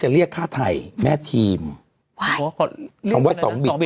คือคือคือคือคือคือ